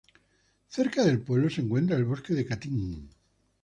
Cerca del pueblo se encuentra el bosque de Katyn.